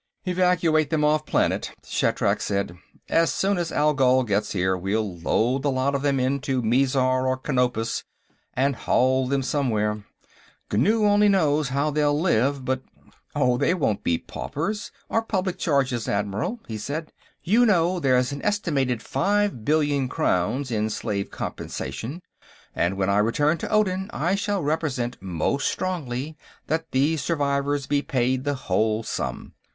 "Evacuate them off planet," Shatrak said. "As soon as Algol gets here, we'll load the lot of them onto Mizar or Canopus and haul them somewhere. Ghu only knows how they'll live, but...." "Oh, they won't be paupers, or public charges, Admiral," he said. "You know, there's an estimated five billion crowns in slave compensation, and when I return to Odin I shall represent most strongly that these survivors be paid the whole sum.